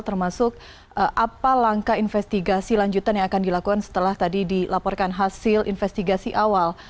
termasuk apa langkah investigasi lanjutan yang akan dilakukan setelah tadi dilaporkan hasil investigasi awal